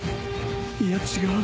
いや違う。